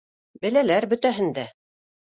Беләләр бөтәһен дә